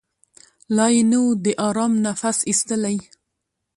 لا یې نه وو د آرام نفس ایستلی